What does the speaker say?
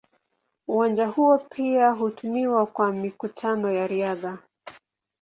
Uwanja huo pia hutumiwa kwa mikutano ya riadha.